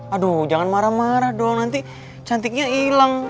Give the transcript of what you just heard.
aduh jangan marah marah dong nanti cantiknya hilang